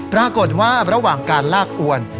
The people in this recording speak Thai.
ปรากฏว่าระหว่างการลากอวน